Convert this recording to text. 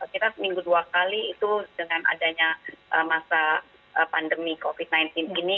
kita seminggu dua kali itu dengan adanya masa pandemi covid sembilan belas ini